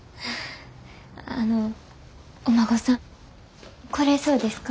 あのお孫さん来れそうですか？